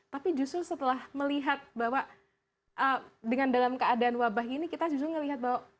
tapi justru setelah melihat bahwa dengan dalam keadaan wabah ini kita justru melihat bahwa